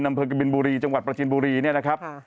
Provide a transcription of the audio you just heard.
อำเภอกบินบุรีจังหวัดประจินบุรีเนี่ยนะครับ